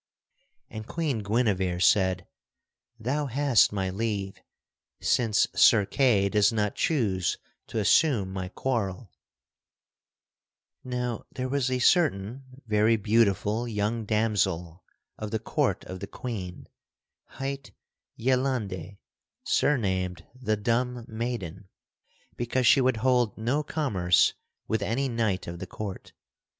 And Queen Guinevere said: "Thou hast my leave, since Sir Kay does not choose to assume my quarrel." [Sidenote: The damsel praises Percival] Now there was a certain very beautiful young damsel of the court of the Queen hight Yelande, surnamed the "Dumb Maiden," because she would hold no commerce with any knight of the court.